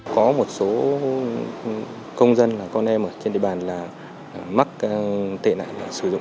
có một số công dân là con em ở trên địa bàn là mắc tệ nạn